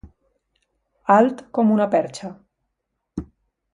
Alt com una perxa.